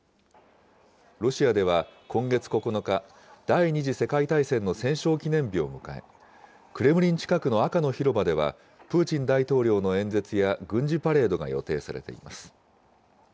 ロシアでは今月９日、第２次世界大戦の戦勝記念日を迎え、クレムリン近くの赤の広場では、プーチン大統領の演説や軍事パレードが予定されています。